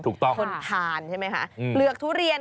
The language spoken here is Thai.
ถูกต้องค่ะค่ะค่อนทานใช่ไหมคะเปลือกทุเรียน